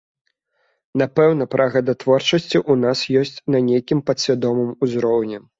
Напэўна, прага да творчасці ў нас ёсць на нейкім падсвядомым узроўні.